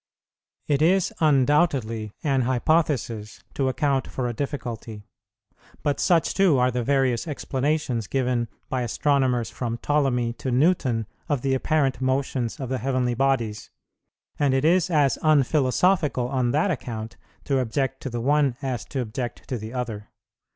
It is undoubtedly an hypothesis to account for a difficulty; but such too are the various explanations given by astronomers from Ptolemy to Newton of the apparent motions of the heavenly bodies, and it is as unphilosophical on that account to object to the one as to object to the other.